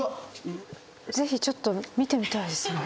ぜひちょっと見てみたいですね。